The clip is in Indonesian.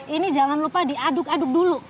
ini jangan lupa diaduk aduk dulu